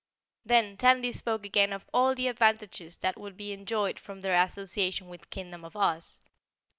Then Tandy spoke again of all the advantages that would be enjoyed from their association with the Kingdom of Oz.